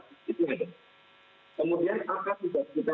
pertugas yang melanggar